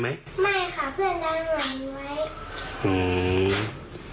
ไม่ค่ะเพื่อนด้านหลังไว้